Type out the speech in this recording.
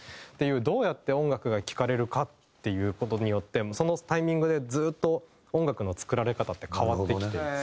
どうやって音楽が聴かれるかっていう事によってそのタイミングでずっと音楽の作られ方って変わってきていて。